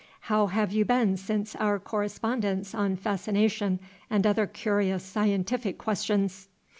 How have you been since our correspondence on Fascination and other curious scientific questions?"